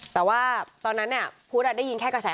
แต่ว่าตอนนั้นน่ะพุฑ์ล่ะได้ยินแค่กระแสข่าว